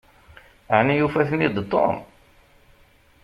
Ɛni yufa-ten-id Tom?